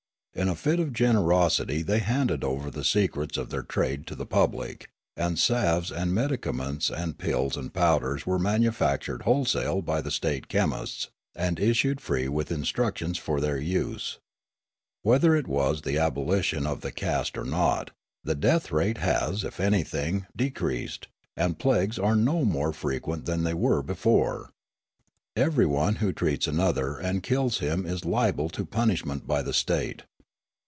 In a fit of generosity they handed over the secrets of their trade to the public, and salves and medicaments and pills and powders were manufactured wholesale by the state chemists and issued free with instructions for their use. Whether it was the abolition of the caste or not, the death rate has, if anything, decreased, and plagues are no more frequent than they were before. Everyone who treats another and kills him is liable to punishment by the state.